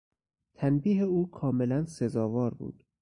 تنبیه او کاملا سزاوار بود.